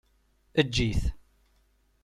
Eǧǧ-it.